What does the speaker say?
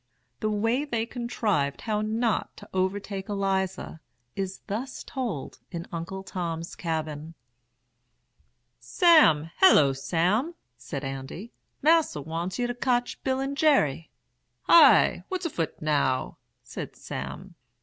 The way they contrived how not to overtake Eliza is thus told in "Uncle Tom's Cabin": "'Sam! Halloo, Sam!' said Andy. 'Mas'r wants you to cotch Bill and Jerry.' "'High! what's afoot now?' said Sam.